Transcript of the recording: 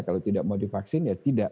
kalau tidak mau divaksin ya tidak